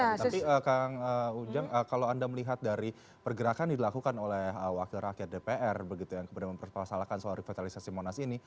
tapi kang ujang kalau anda melihat dari pergerakan dilakukan oleh wakil rakyat dpr begitu yang kemudian mempersalahkan soal revitalisasi monas ini